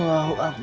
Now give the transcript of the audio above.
wah ya tuhan